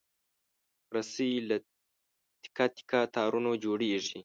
رسۍ له تکه تکه تارونو جوړېږي.